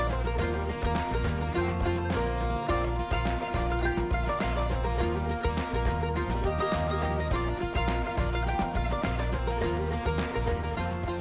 sebelumnya di mana pun mereka berada